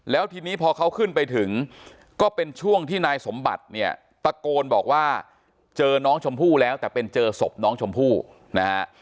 แล้วทีนี้พอเขาขึ้นไปถึงก็เป็นช่วงที่นายสมบัติเนี่ยตะโกนบอกว่าเจอน้องชมพู่แล้วแต่เป็นเจอศพน้องชมพู่นะฮะ